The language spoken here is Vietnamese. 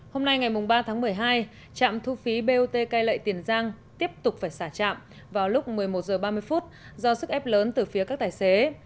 hôm nay ngày ba tháng một mươi hai trạm thu phí bot cai lệ tiền giang tiếp tục phải xả trạm vào lúc một mươi một h ba mươi do sức ép lớn từ phía các tài xế